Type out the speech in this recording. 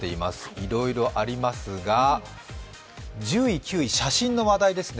いろいろありますが、１０位、９位、写真の話題ですね。